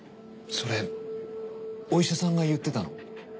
それお医者さんが言ってたの？